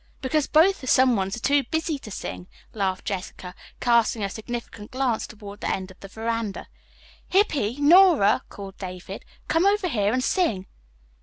"Because both the someones are too busy to sing," laughed Jessica, casting a significant glance toward the end of the veranda. "Hippy, Nora," called David, "come over here and sing."